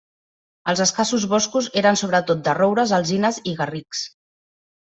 Els escassos boscos eren sobretot de roures, alzines i garrics.